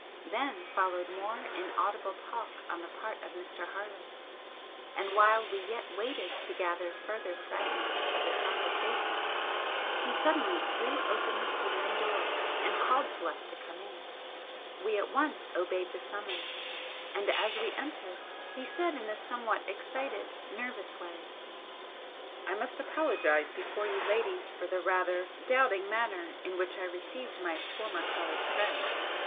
Then followed more inaudible talk on the part of Mr. Harland, and while we yet waited to gather further fragments of the conversation, he suddenly threw open the saloon door and called to us to come in. We at once obeyed the summons, and as we entered he said in a somewhat excited, nervous way: "I must apologise before you ladies for the rather doubting manner in which I received my former college friend!